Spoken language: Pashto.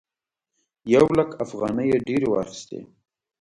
یو لک افغانۍ یې ډېرې واخيستې.